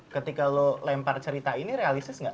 ketika lo lempar cerita ini realistis gak